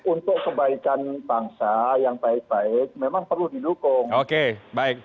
untuk kebaikan bangsa yang baik baik memang perlu didukung